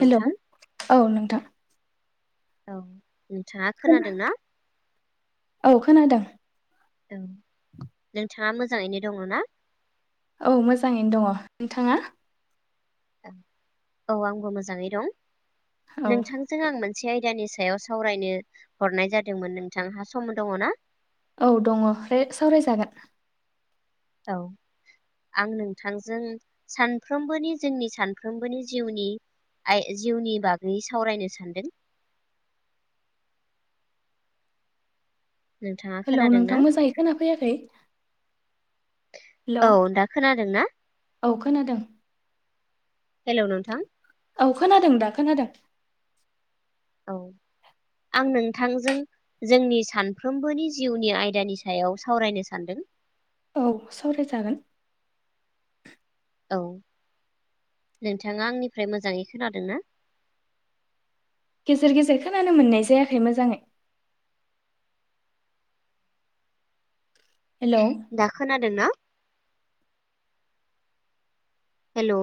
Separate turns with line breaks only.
Hello औ नोंथां।
औ। नोंथाङा
खोना
खोनादोंना?
औ खोनादों
औ नों बिथाङा मोजाङैनो दङ ना?
औ मोजाङैनो दङ। नोंथाङा?
औ आंबो मोजाङै दं।
औ
नोंथांजों आं मोनसे यानि सायाव सावरायनो हरनाय जादोंमोन नोंथांहा सम दङ ना?
औ दङ फ्रायग सावरायजागोन।
औ आं नोंथांजों सानफ्रोमबोनि जोंनि सानफ्रोमबोनि जिउनि आइ जिउनि बागै सावरायनो सानदों। नोंथाङा
हेलौ
खोनादों ना?
नोंथां मोजाङै खोनाफैयाखै हेलौ
औ दा खोनादों ना?
औ खोनादों।
हेलौ' नोंथां।
औ खोनादों दा खोनादों?
औ आं नोंथांजों जोंनि सानफ्रोमबोनि जिउनि आयदानि सायाव सावरायनो सानदों।
औ सावरायजागोन।
औ नोंथाङा आंनिफ्राय मोजाङै खोनादों ना?
गेजेर गेजेर खोनानो मोननाय जायाखै मोजाङै। हेलौ
दा खोनादों ना? हेलौ।